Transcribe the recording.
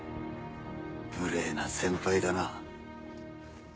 無礼な先輩だな。